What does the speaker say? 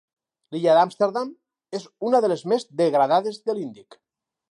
L'illa d'Amsterdam és una de les més degradades de l'Índic.